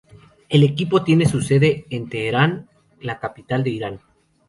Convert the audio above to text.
El equipo tiene su sede en Teherán, la capital de Irán.